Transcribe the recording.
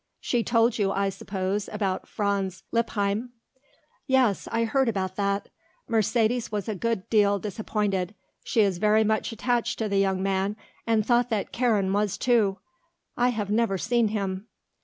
She told you, I suppose, about Franz Lippheim." "Yes; I heard about that. Mercedes was a good deal disappointed. She is very much attached to the young man and thought that Karen was, too. I have never seen him."